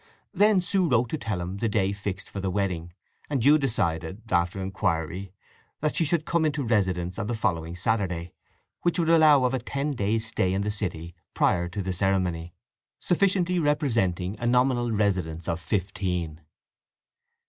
Then Sue wrote to tell him the day fixed for the wedding; and Jude decided, after inquiry, that she should come into residence on the following Saturday, which would allow of a ten days' stay in the city prior to the ceremony, sufficiently representing a nominal residence of fifteen.